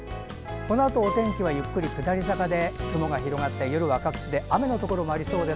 このあとお天気はゆっくり下り坂で雲が広がって夜は各地で雨のところもありそうです。